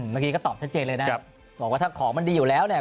เมื่อกี้ก็ตอบชัดเจนเลยนะบอกว่าถ้าของมันดีอยู่แล้วเนี่ย